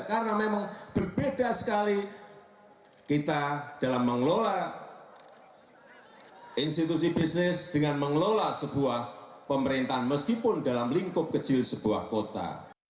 karena memang berbeda sekali kita dalam mengelola institusi bisnis dengan mengelola sebuah pemerintahan meskipun dalam lingkup kecil sebuah kota